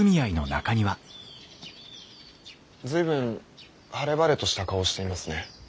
随分晴れ晴れとした顔をしていますね。